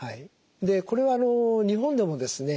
これは日本でもですね